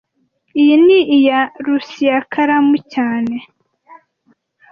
Iyi ni iya Luciaikaramu cyane